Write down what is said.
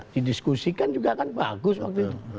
didiskusikan juga kan bagus waktu itu